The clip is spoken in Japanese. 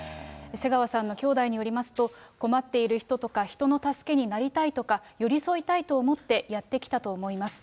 瀬川さんのきょうだいによりますと、困っている人とか人の助けになりたいとか、寄り添いたいと思ってやってきたと思います。